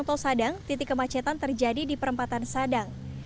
tol sadang titik kemacetan terjadi di perempatan sadang